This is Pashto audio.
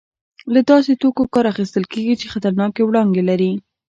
له داسې توکو کار اخیستل کېږي چې خطرناکې وړانګې لري.